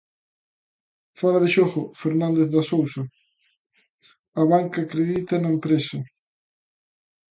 Fóra de xogo Fernández de Sousa, a banca acredita na empresa.